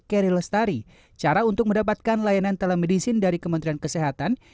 keri lestari cara untuk mendapatkan layanan telemedicine dari kementerian kesehatan